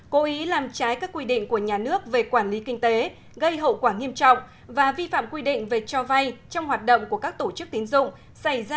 cố ý làm trái các quy định của nhà nước về quản lý kinh tế gây hậu quả nghiêm trọng và vi phạm quy định về cho vay trong hoạt động của các tổ chức tín dụng